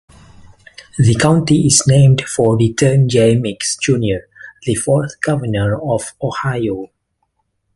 The county is named for Return J. Meigs, Junior the fourth Governor of Ohio.